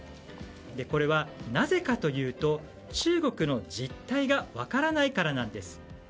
これはなぜかというと中国の実態が分からないからなんです。